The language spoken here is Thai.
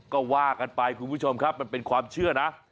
ก็ว่ากันไปคุณผู้ชมครับมันเป็นความเชื่อนะ